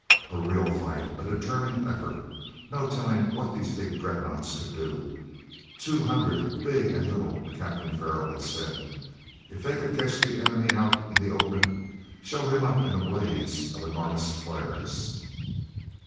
A real fight! A determined effort! No telling what these big dreadnoughts could do. Two hundred, big and little, Captain Farrell had said. If they could catch the enemy out in the open, show him up in a blaze of enormous flares....